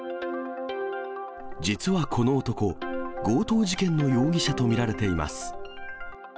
実はこの男、強盗事件の容疑者と見られています。